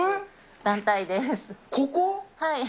ここ？